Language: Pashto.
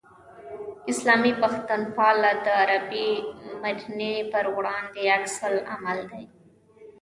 اسلامي بنسټپالنه د غربي مډرنیتې پر وړاندې عکس العمل دی.